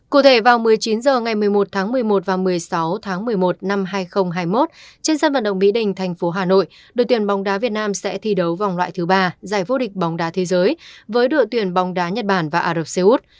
cụ thể vào một mươi chín h ngày một mươi một tháng một mươi một và một mươi sáu tháng một mươi một năm hai nghìn hai mươi một trên sân vận động mỹ đình thành phố hà nội đội tuyển bóng đá việt nam sẽ thi đấu vòng loại thứ ba giải vô địch bóng đá thế giới với đội tuyển bóng đá nhật bản và ả rập xê út